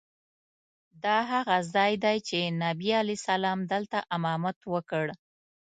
دا هغه ځای دی چې نبي علیه السلام دلته امامت وکړ.